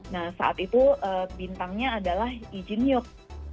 nah saat itu bintangnya adalah izin yok